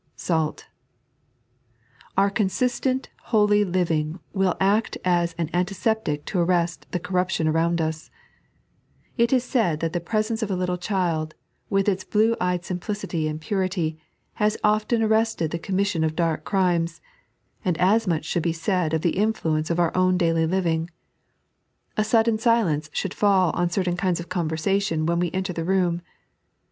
SdU. Our consistent holy living will act as an antiseptic to arrest the corruption around us. It is said that the presence of a little child, with its blue eyed simplicity and purity, has often arrested the commission of dark crimes ; and as much should be said of the influence of a\xt own daily living. A sudden silence should fall on certain kinds of convereation when we enter the room.